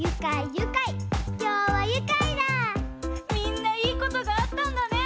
みんないいことがあったんだね！